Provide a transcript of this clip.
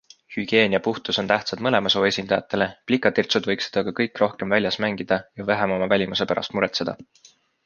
Hügieen ja puhtus on tähtsad mõlema soo esindajatele, plikatirtsud võiksid aga kõik rohkem väljas mängida ja vähem oma välimuse pärast muretseda.